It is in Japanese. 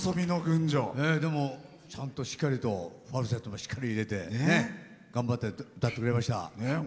でも、ちゃんとしっかりとファルセットもしっかりと入れて頑張って歌ってくれました。